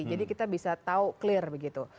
jadi kita bisa tahu clear begitu